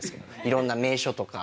色んな名所とか。